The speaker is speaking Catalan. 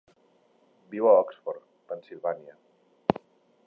Viu a Oxford, Pennsilvània.